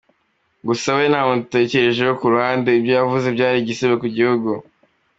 Gusa we namutekerejeho ku ruhande, ibyo yavuze byari igisebo ku gihugu.